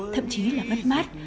thậm chí là mất mát